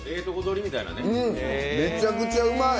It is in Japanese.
めちゃくちゃうまい。